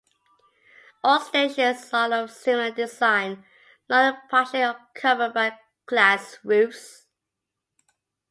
All stations are of similar design- long and partially covered by glass roofs.